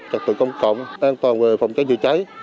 trật tự công cộng an toàn về phòng cháy dự tráy